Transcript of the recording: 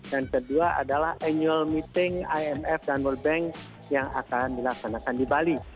dan kedua adalah annual meeting imf dan world bank yang akan dilaksanakan di bali